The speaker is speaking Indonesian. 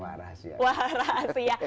wah rahasia wah rahasia